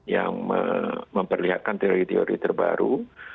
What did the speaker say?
yang memperlihatkan teori teori terbaru